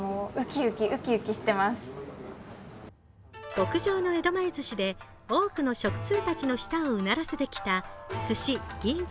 極上の江戸前ずしで多くの食通たちの舌をうならせてきた鮨銀座